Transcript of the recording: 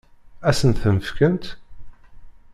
Ad sent-ten-fkent?